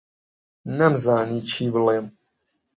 نەمزانی چی بڵێم.